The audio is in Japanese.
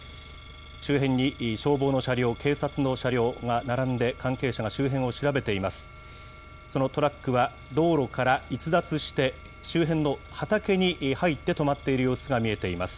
周辺に消防の車両、警察の車両が並んで、関係者が周辺を調べています。